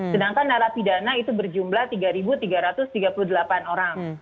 sedangkan narapidana itu berjumlah tiga tiga ratus tiga puluh delapan orang